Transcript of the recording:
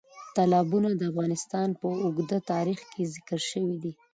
تالابونه د افغانستان په اوږده تاریخ کې ذکر شوی دی.